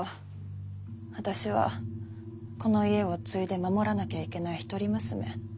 私はこの家を継いで守らなきゃいけないひとり娘。